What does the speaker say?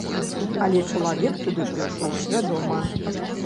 Але чалавек туды прыйшоў свядома.